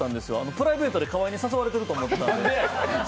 プライベートで河井に誘われてると思って。